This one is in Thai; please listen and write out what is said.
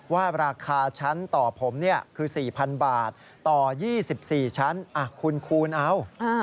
ว่าราคาชั้นต่อผมคือ๔๐๐๐บาทต่อ๒๔ชั้นคุณคูณเอา